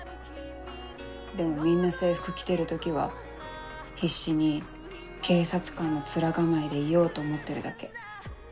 でもみんな制服着てる時は必死に警察官の面構えでいようと思ってるだけ。